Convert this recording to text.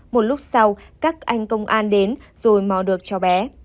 một lúc sau các anh công an đến rồi mò được cho bé